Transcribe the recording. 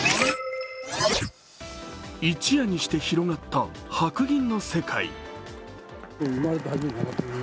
一夜にして広がった白銀の世界。